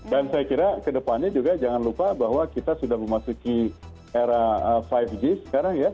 dan saya kira kedepannya juga jangan lupa bahwa kita sudah memasuki era lima g sekarang ya